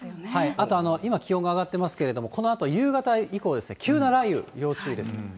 あと今、気温が上がっていますけれども、このあと夕方以降、急な雷雨、要注意です。